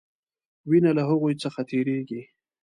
وینه له هغوي څخه تیریږي.